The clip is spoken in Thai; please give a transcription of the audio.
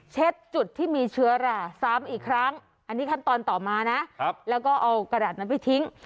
จุดที่มีเชื้อราซ้ำอีกครั้งอันนี้ขั้นตอนต่อมานะแล้วก็เอากระดาษนั้นไปทิ้ง